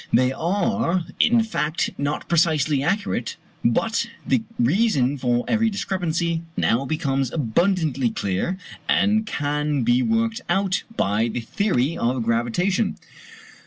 They are, in fact, not precisely accurate, but the reason for every discrepancy now becomes abundantly clear, and can be worked out by the theory of gravitation.